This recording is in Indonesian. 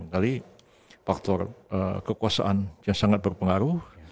kali faktor kekuasaan yang sangat berpengaruh